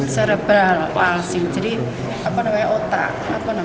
cerebral palsy jadi otak